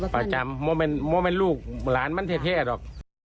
พระจำว่ามันไม่มีลูกร้านมันเท่หรอก